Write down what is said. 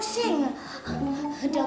rsj bakti jaya